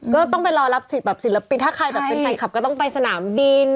ก็ต้องไปรอรับศิลปินถ้าใครเป็นไข่ขับก็ต้องไปสนามบิน